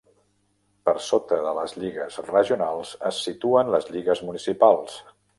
Per sota de les lligues regionals es situen les lligues municipals.